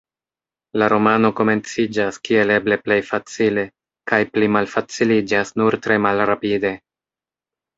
La romano komenciĝas kiel eble plej facile, kaj pli malfaciliĝas nur tre malrapide.